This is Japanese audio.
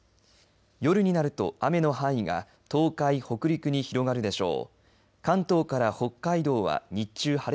夜になると雨の範囲が東海、北陸に広がるでしょう。